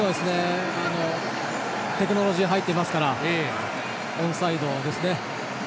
テクノロジー、入ってますからオフサイドですね。